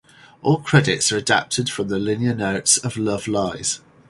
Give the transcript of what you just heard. All credits are adapted from the liner notes of "Love Lies".